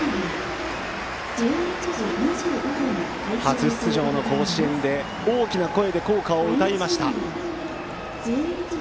初出場の甲子園で大きな声で校歌を歌いました。